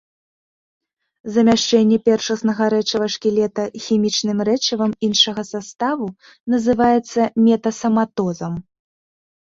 Замяшчэнне першаснага рэчыва шкілета хімічным рэчывам іншага саставу называецца метасаматозам.